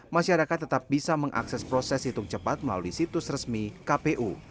masyarakat tetap bisa mengakses proses hitung cepat melalui situs resmi kpu